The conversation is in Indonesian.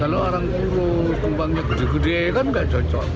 kalau orang urus kembangnya gede gede kan tidak cocok